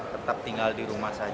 tetap tinggal di rumah saja